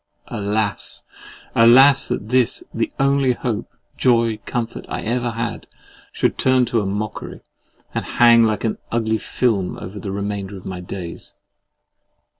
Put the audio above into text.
Alas! alas! that this, the only hope, joy, or comfort I ever had, should turn to a mockery, and hang like an ugly film over the remainder of my days!